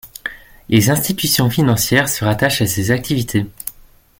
Les institutions financières se rattachent à ces activités.